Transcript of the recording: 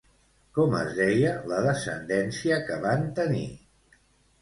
Com es deia la descendència que van tenir?